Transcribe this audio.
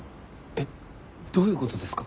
えっどういう事ですか？